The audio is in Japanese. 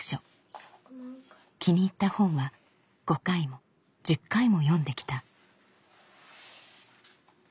気に入った本は５回も１０回も読んできた。